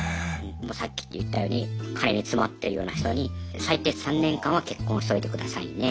もうさっき言ったように金に詰まってるような人に最低３年間は結婚しといてくださいね。